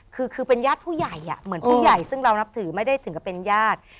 คือคือเป็นญาติผู้ใหญ่เหมือนผู้ใหญ่ซึ่งเรานับถือไม่ได้ถึงกับเป็นญาติ